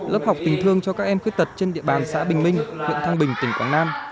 lớp học tình thương cho các em khuyết tật trên địa bàn xã bình minh huyện thăng bình tỉnh quảng nam